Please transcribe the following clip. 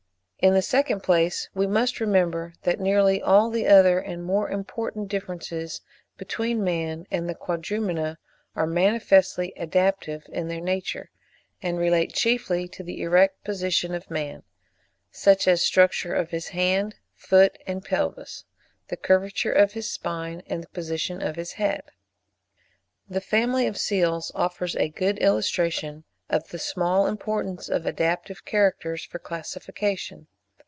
In the second place, we must remember that nearly all the other and more important differences between man and the Quadrumana are manifestly adaptive in their nature, and relate chiefly to the erect position of man; such as the structure of his hand, foot, and pelvis, the curvature of his spine, and the position of his head. The family of Seals offers a good illustration of the small importance of adaptive characters for classification.